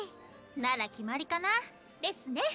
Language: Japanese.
なら決まりかな。ですね。